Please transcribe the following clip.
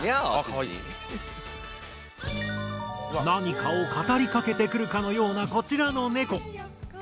何かを語りかけてくるかのようなこちらのネコ。